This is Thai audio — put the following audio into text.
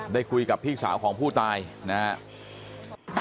ได้คุยกับพี่สาวของผู้ตายนะครับ